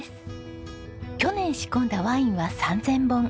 去年仕込んだワインは３０００本。